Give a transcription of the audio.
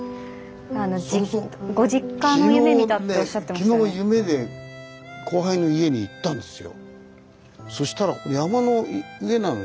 昨日夢で後輩の家に行ったんですよ。